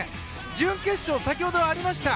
準決勝、先ほどありました。